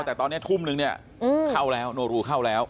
แต่ตอนนี้ทุ่มนึงเนี่ยเข้าแล้วโนรูเข้าแล้ว